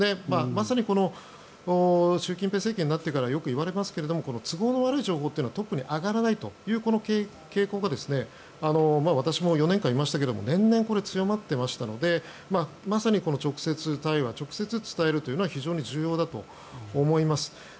まさに習近平政権になってからよく言われますがこの都合の悪い情報というのはトップに上がらないというこの傾向が私も４年間いましたが年々、強まっていましたのでまさに直接対話直接伝えるというのは非常に重要だと思います。